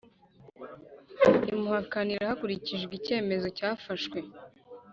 imuhakanira hakurikijwe icyemezo cyafashwe